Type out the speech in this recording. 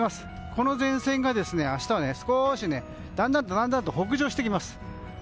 この前線が明日は少しだんだんと北上してきます。